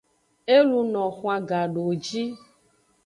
E luno xwan gadowoji.